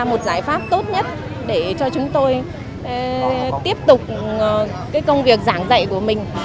tìm ra một giải pháp tốt nhất để cho chúng tôi tiếp tục công việc giảng dạy của mình